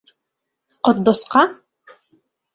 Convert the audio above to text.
Ҡотдосҡа?